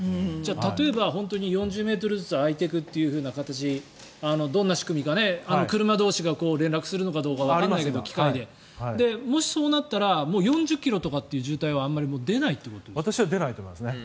例えば４０ｍずつ空いていくという形どんな仕組みか車同士が連絡するのかどうかわからないけどもし、そうなったら４０ｋｍという渋滞はあまり出ないということですか？